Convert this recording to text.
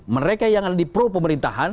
mereka yang ada di pro pemerintahan